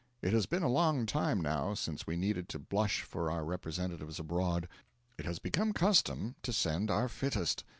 It has been a long time, now, since we needed to blush for our representatives abroad. It has become custom to send our fittest.